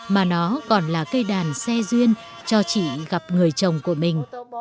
mà nó còn là cây đàn xe duyên cho chị gặp người chồng của mình